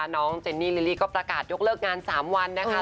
น้องเจนนี่ลิลลี่ก็ประกาศยกเลิกงาน๓วันนะคะ